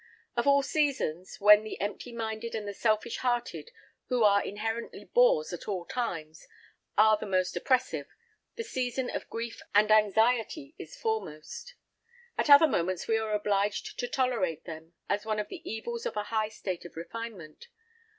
Of all seasons, when the empty minded and the selfish hearted, who are inherently bores at all times, are the most oppressive, the season of grief and anxiety is foremost. At other moments we are obliged to tolerate them, as one of the evils of a high state of refinement.